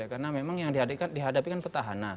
karena memang yang dihadapkan pt